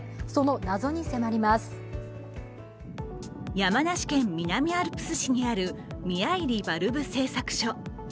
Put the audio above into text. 山梨県南アルプス市にある宮入バルブ製作所。